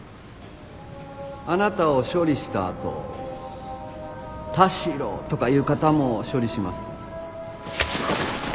あなたを処理した後田代とかいう方も処理します。